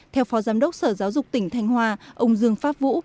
theo phó giám đốc sở giáo dục tỉnh thanh hóa ông dương pháp vũ